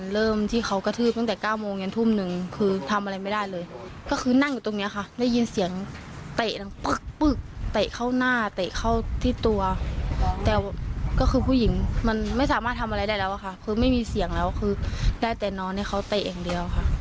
แล้วคือได้แต่นอนให้เขาเตะอย่างเดียวค่ะ